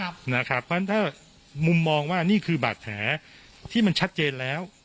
เพราะฉะนั้นถ้ามุมมองว่านี่คือบาดแผลที่มันชัดเจนแล้ว